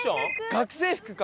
学生服か！